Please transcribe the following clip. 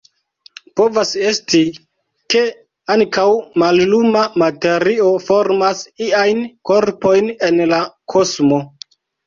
Povas esti, ke ankaŭ malluma materio formas iajn korpojn en la kosmo.